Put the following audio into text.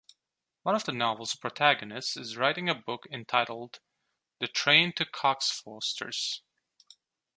One of the novel's protagonists is writing a book entitled "The Train to Cockfosters".